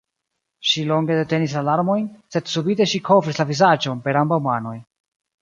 Ŝi longe detenis la larmojn, sed subite ŝi kovris la vizaĝon per ambaŭ manoj.